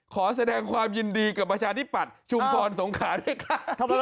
ขอแสดงความยินดีกับประชาธิปัตย์ชุมพรสงขาด้วยค่ะ